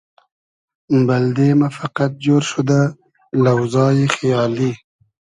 بئلدئ مۂ فئقئد جۉر شودۂ لۆزای خیالی